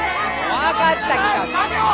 分かったき！